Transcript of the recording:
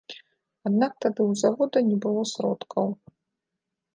Аднак тады ў завода не было сродкаў.